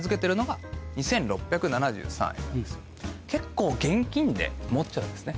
結構現金で持っちゃうんですね。